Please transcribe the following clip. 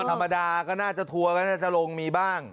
ธรรมดาก็น่าจะทัวร์ก็น่าจะลงมีบ้าง